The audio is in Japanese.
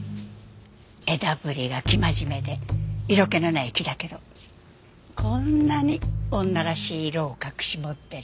枝ぶりが生真面目で色気のない木だけどこんなに女らしい色を隠し持ってる。